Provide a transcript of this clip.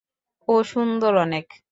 ও সুন্দর অনেক।